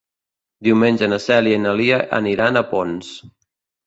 Diumenge na Cèlia i na Lia aniran a Ponts.